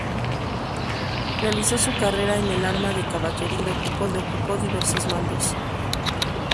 Realizó su carrera en el Arma de Caballería, donde ocupó diversos mandos.